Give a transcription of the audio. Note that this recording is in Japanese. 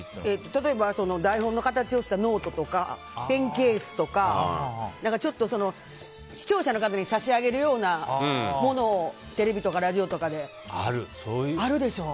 例えば台本の形をしたノートとかペンケースとか、視聴者の方に差し上げるようなものをテレビとかラジオであるでしょう？